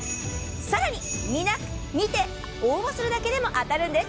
更に、見て応募するだけでも当たるんです。